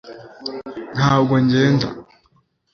ntabwo ngenda